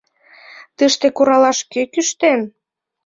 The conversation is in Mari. Тыште куралаш кӧ кӱштен?